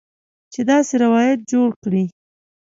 چې داسې روایت جوړ کړي